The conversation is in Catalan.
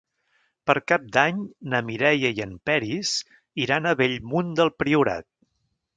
Per Cap d'Any na Mireia i en Peris iran a Bellmunt del Priorat.